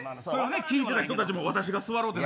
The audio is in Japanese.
聞いてた人たちも自分が座ろうと。